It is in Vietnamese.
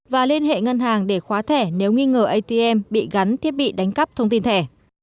và liên hệ ngân hàng để khóa thẻ nếu nghi ngờ atm bị gắn thiết bị đánh cắp thông tin thẻ